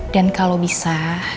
dan kalau bisa